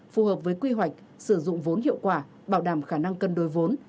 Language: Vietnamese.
phù hợp với quy hoạch sử dụng vốn hiệu quả bảo đảm khả năng cân đối vốn